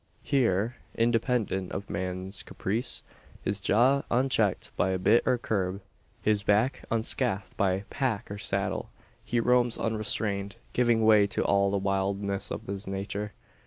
Here independent of man's caprice, his jaw unchecked by bit or curb, his back unscathed by pack or saddle he roams unrestrained; giving way to all the wildness of his nature.